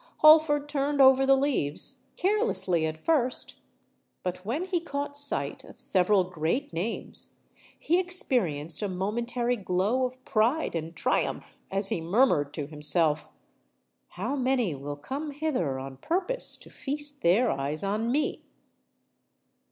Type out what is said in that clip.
Holford turned over the leaves—carelessly at first; but when he caught sight of several great names, he experienced a momentary glow of pride and triumph, as he murmured to himself, "_How many will come hither on purpose to feast their eyes on me!